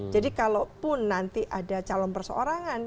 jadi kalau pun nanti ada calon berseorangan